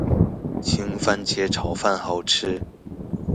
青番茄炒飯好吃